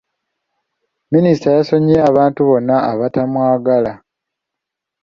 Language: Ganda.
Minisita yasonyiye abantu bonna abatamwagala.